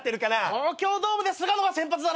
東京ドームで菅野が先発だろ？